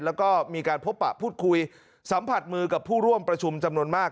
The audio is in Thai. แล้วก็มีการพบปะพูดคุยสัมผัสมือกับผู้ร่วมประชุมจำนวนมาก